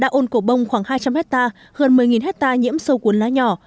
đạo ôn cổ bông khoảng hai trăm linh hectare hơn một mươi hectare nhiễm sâu cuốn lá nhỏ